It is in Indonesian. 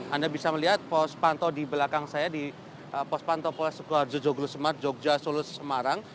anda bisa melihat pos pantau di belakang saya di pos pantau polisi sukoharjo joglus semarang jogja solus semarang